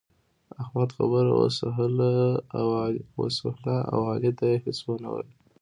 احمد خبره وسهله او علي ته يې هيڅ و نه ويل.